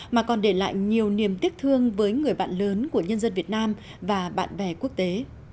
mà còn để lại nhiều niềm tiếc thương với người bạn lớn của nhân dân việt nam và bạn bè quốc tế